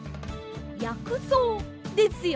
「やくそう」ですよ。